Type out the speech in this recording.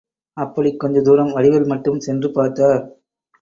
அப்படிக் கொஞ்ச தூரம் வடிவேல் மட்டும் சென்று பார்த்தார்.